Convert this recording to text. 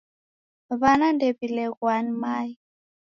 W'ana ndew'ileghwaa ni mae